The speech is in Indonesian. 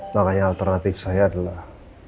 makanya alternatif saya adalah